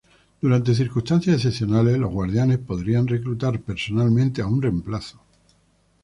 Durante circunstancias excepcionales, los Guardianes podrían reclutar personalmente a un reemplazo.